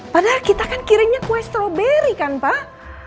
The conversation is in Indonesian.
padahal kita kan kirimnya kue stroberi kan pak